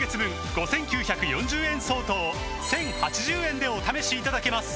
５，９４０円相当を１，０８０円でお試しいただけます